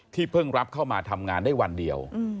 เพิ่งรับเข้ามาทำงานได้วันเดียว